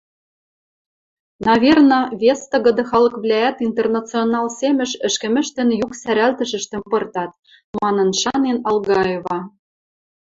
«Наверно, вес тыгыды халыквлӓӓт «Интернационал» семӹш ӹшкӹмӹштӹн юк сӓрӓлтӹшӹштӹм пыртат», — манын шанен Алгаева.